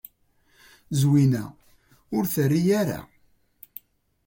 Zwina ur d-terri ara.